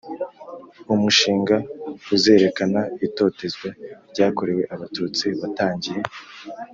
Umushinga uzerekana itotezwa ryakorewe Abatutsi watangiye.